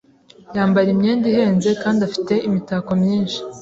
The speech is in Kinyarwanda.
Yambara imyenda ihenze kandi afite imitako myinshi.